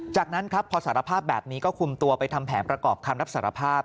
จากนั้นครับพอสารภาพแบบนี้ก็คุมตัวไปทำแผนประกอบคำรับสารภาพ